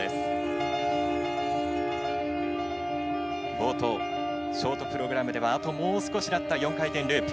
冒頭ショートプログラムではあともう少しだった４回転ループ。